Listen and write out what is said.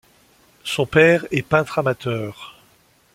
Son père est peintre amateur.